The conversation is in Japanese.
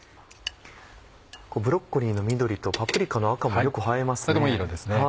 ブロッコリーの緑とパプリカの赤もよく映えますね。